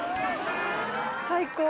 最高！